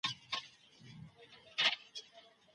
په کوم اساس بايد نکاحوي وسي؟